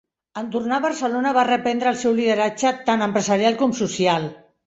En tornar a Barcelona, va reprendre el seu lideratge tant empresarial com social.